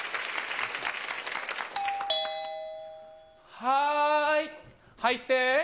はーい、入って。